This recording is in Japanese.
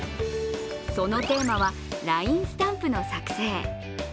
そのテーマはＬＩＮＥスタンプの作成。